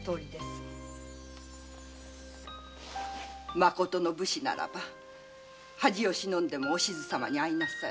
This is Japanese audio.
まことの武士ならば恥を忍んでもお静様に会いなさい。